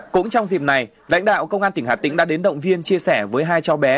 cũng trong dịp này lãnh đạo công an tỉnh hà tĩnh đã đến động viên chia sẻ với hai cháu bé